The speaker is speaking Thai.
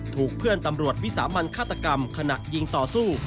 ถูกเพื่อนตำรวจวิสามันฆาตกรรมขณะยิงต่อสู้